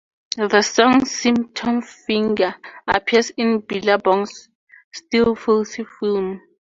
The song "Symptom Finger" appears in Billabong's 'Still Filthy' film.